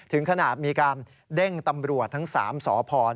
ถึงขนาดมีการเด้งตำรวจทั้ง๓สพ